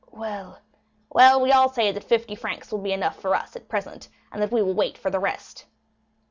"Well——" "Well, we all say that fifty francs will be enough for us at present, and that we will wait for the rest."